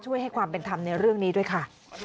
ให้ความเป็นธรรมในเรื่องนี้ด้วยค่ะ